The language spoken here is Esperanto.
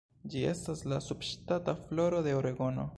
Ĝi estas la subŝtata floro de Oregono.